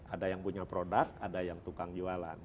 ada yang punya produk ada yang tukang jualan